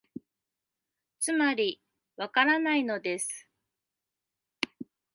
つまり、わからないのです